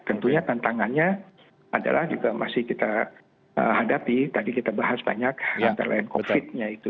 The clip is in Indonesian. tentunya tantangannya adalah juga masih kita hadapi tadi kita bahas banyak antara lain covid nya itu